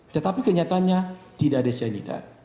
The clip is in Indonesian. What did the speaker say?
tetapi kenyataannya tidak ada cyanida